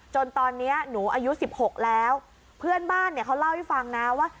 จนตอนนี้หนูอายุ๑๖แล้วเพื่อนบ้านเนี่ยเขาเล่าให้ฟังนะว่า